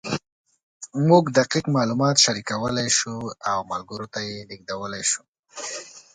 موږ دقیق معلومات شریکولی شو او ملګرو ته یې لېږدولی شو.